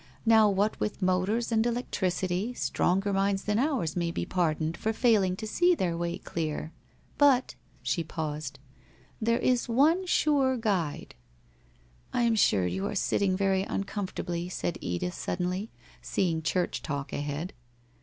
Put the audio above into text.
Now what with motors and electricity, stronger minds than ours may he pardoned for failing to see their way clear. But ' She paused, * there is one sure guide '' I am sure you are sitting very uncomfortably,' said Edith, suddenly, seeing church talk ahead.